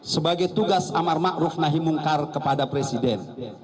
sebagai tugas amar ma'ruf nahi mungkar kepada presiden